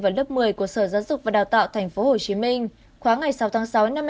vào lớp một mươi của sở giáo dục và đào tạo tp hcm khóa ngày sáu tháng sáu năm hai nghìn hai mươi